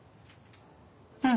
うん。